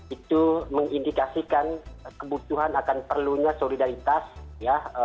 itu mengindikasikan kebutuhan akan perlunya solidaritas ya